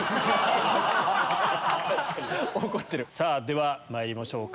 ではまいりましょうか。